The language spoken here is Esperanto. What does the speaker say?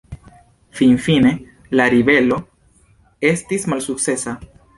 Finfine, la ribelo estis malsukcesa.